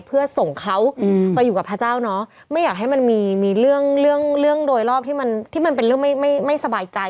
เพื่อส่งเขาไปอยู่กับพระเจ้าเนอะไม่อยากให้มันมีมีเรื่องเรื่องโดยรอบที่มันที่มันเป็นเรื่องไม่ไม่สบายใจ